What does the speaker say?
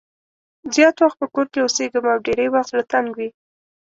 زیات وخت په کور کې اوسېږم او ډېری وخت زړه تنګ وي.